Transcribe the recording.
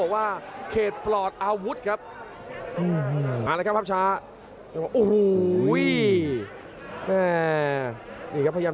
โอ้โหดูภาพช้านะครับ